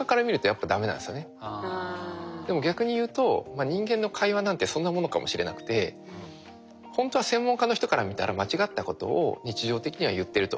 でも逆に言うと人間の会話なんてそんなものかもしれなくてほんとは専門家の人から見たら間違ったことを日常的には言ってると。